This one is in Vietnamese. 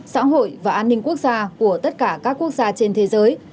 xã hội và an ninh quốc gia của tất cả các quốc gia trên thế giới